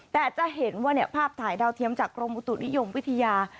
แต่จะเห็นว่าภาพถ่ายดาวเทียมจากกรมอุตุนิยมวิทยา